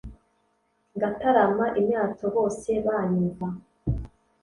ngatarama imyato bose banyumva